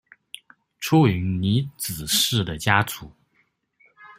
出云尼子氏的家祖。